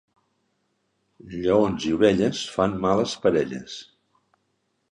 Lleons i ovelles fan males parelles.